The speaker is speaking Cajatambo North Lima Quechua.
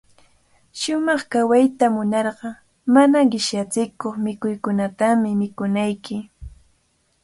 Shumaq kawayta munarqa, mana qishyachikuq mikuykunatami mikunayki.